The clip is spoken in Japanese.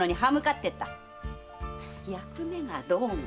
“役目がどうの”